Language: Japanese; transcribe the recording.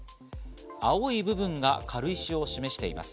青い部分が軽石を示しています。